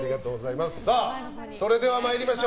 それでは、参りましょう。